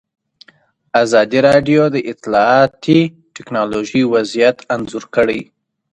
ازادي راډیو د اطلاعاتی تکنالوژي وضعیت انځور کړی.